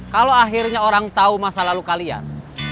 kalau akhirnya orang tahu masa lalu kalian